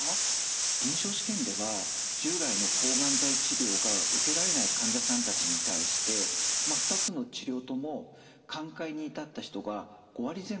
臨床試験では従来の抗がん剤治療が受けられない患者さんたちに対して２つの治療とも寛解に至った人が５割前後いました。